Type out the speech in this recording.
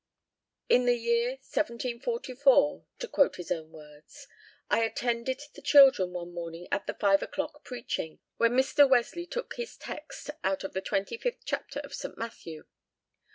"In the year 1744," to quote his own words, "I attended the children one morning at the five o'clock preaching, when Mr. Wesley took his text out of the twenty fifth chapter of St. Matthew.